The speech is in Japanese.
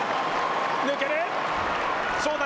抜ける。